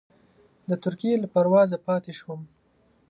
د ترکیې له پروازه پاتې شوم.